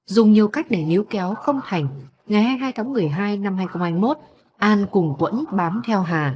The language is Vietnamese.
dùng nhiều cách để liếu kéo không thành ngày hai mươi hai tháng một mươi hai năm hai nghìn hai mươi một an cùng quẫn bám theo hà